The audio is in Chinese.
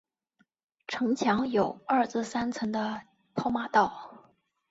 城墙有二至三层的跑马道。